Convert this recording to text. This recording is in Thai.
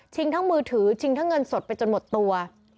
ทั้งมือถือชิงทั้งเงินสดไปจนหมดตัว